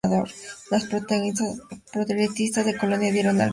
Los progresistas de Colonia dieron origen al constructivismo figurativo.